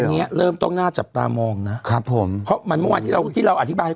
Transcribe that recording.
อันนี้เริ่มต้องน่าจับตามองนะครับผมเพราะมันเมื่อวานที่เราที่เราอธิบาย